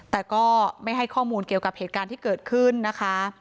แต่ก็ไม่ให้ข้อมูลเกี่ยวกับเหตุการณ์ที่เกิดขึ้นนะคะ